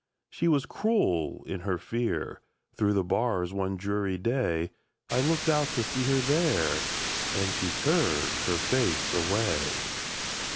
She was cruel in her fear; Through the bars one dreary day, I looked out to see her there, And she turned her face away!